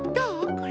これ。